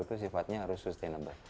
itu sifatnya harus sustainable